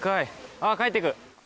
ああ、帰っていく。